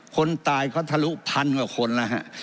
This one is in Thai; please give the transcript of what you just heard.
คนตายก็ทะลุพันกว่าคนแล้วฮะ